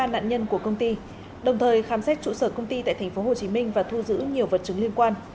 ba nạn nhân của công ty đồng thời khám xét trụ sở công ty tại tp hcm và thu giữ nhiều vật chứng liên quan